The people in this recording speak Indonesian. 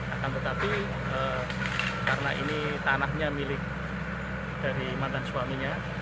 akan tetapi karena ini tanahnya milik dari mantan suaminya